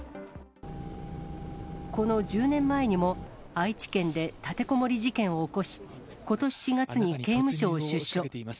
この１０年前にも、愛知県で立てこもり事件を起こし、ことし４月に刑務所を出所。